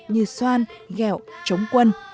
như xoan ghẹo trống quân